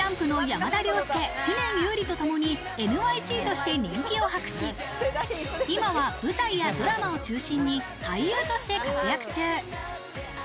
ＪＵＭＰの山田涼介、知念侑李とともにＮＹＣとして人気を博し、今は舞台やドラマを中心に俳優として活躍中。